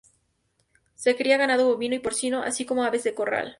Se cría ganado bovino y porcino, así como aves de corral.